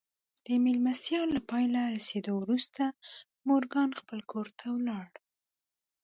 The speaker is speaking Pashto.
د مېلمستيا له پای ته رسېدو وروسته مورګان خپل کور ته ولاړ.